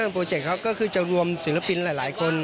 โปรเจคเขาก็คือจะรวมศิลปินหลายคน